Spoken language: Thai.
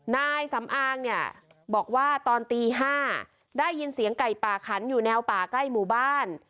นายสำอางเนี่ยบอกว่าตอนตี๕ได้ยินเสียงไก่ป่าขันอยู่แนวป่าใกล้หมู่บ้าน